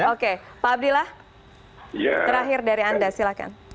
oke pak abdillah terakhir dari anda silahkan